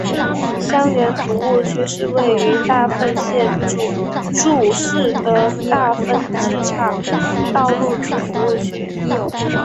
相原服务区是位于大分县杵筑市的大分机场道路之服务区。